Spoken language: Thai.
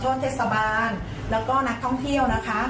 ขอโทษเทศบาลและก็นักท่องเที่ยวนะคะ